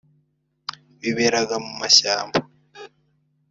biberaga mu mashyamba